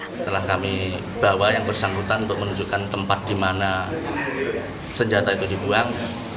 setelah kami bawa yang bersangkutan untuk menunjukkan tempat di mana senjata itu dibuang